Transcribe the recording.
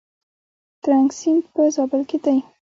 ترنک سیند په زابل کې دی؟